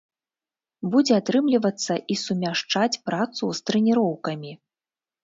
Будзе атрымлівацца і сумяшчаць працу з трэніроўкамі.